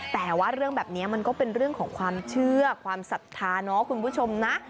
แต่ว่าเรื่องแบบนี้มันก็เป็นเรื่องของความเชื่อความศรัทธาเนาะคุณผู้ชมนะ